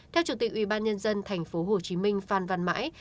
theo chủ tịch ubnd tp hcm phan văn mãi